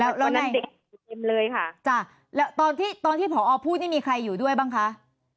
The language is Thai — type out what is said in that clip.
แล้วแล้วไงเลยค่ะจ้ะแล้วตอนที่ตอนที่ผอพูดนี่มีใครอยู่ด้วยบ้างคะ